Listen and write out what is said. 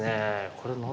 これ何？